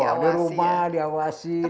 betul di rumah diawasin